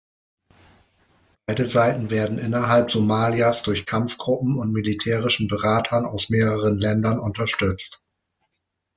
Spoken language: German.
Beide Seiten werden innerhalb Somalias durch Kampfgruppen und militärischen Beratern aus mehreren Ländern unterstützt.